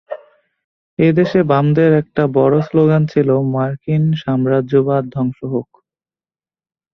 এ দেশে বামদের একটা বড় স্লোগান ছিল মার্কিন সাম্রাজ্যবাদ ধ্বংস হোক।